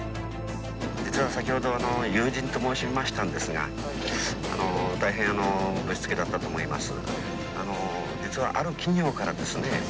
実は先ほど友人と申しましたんですが大変あのぶしつけだったと思います。